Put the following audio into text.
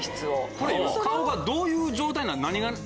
これ今顔がどういう状態なん？